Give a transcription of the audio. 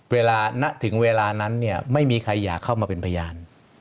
ณถึงเวลานั้นเนี่ยไม่มีใครอยากเข้ามาเป็นพยาน